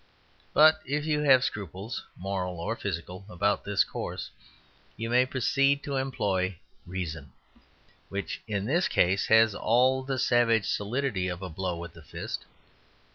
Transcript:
But if you have scruples (moral or physical) about this course, you may proceed to employ Reason, which in this case has all the savage solidity of a blow with the fist.